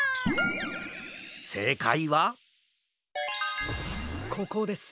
せいかいはここですね。